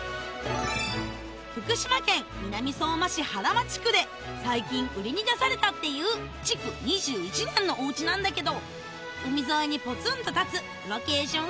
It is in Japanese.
福島県南相馬市原町区で最近売りに出されたっていう築２１年のお家なんだけど海沿いにポツンと立つロケーション